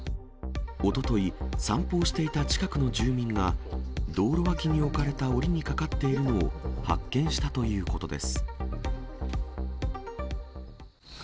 おととい、散歩をしていた近くの住民が、道路脇に置かれたおりにかかっているのを発見したということです。